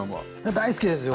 大好きですよ。